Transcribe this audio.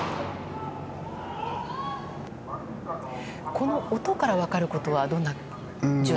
この音から分かることはどんなことがありますか。